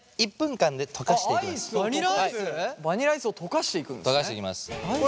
バニラアイスを溶かしていくんですね。